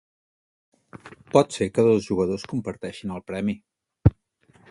Pot ser que dos jugadors comparteixin el premi.